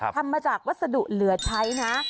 ทำมาจากวัสดุเหลือใช้นะ